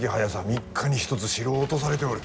３日に一つ城を落とされておる。